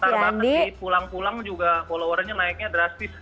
ntar banget sih pulang pulang juga followernya naiknya drastis